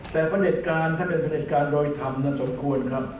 แต่พระเน็ตกาลถ้าเป็นพระเน็ตกาลโดยทำนั้นน่ะสมควรครับ